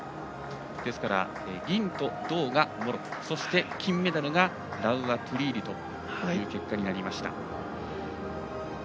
ですから銀と銅がモロッコ金メダルがラウア・トゥリーリとなりました。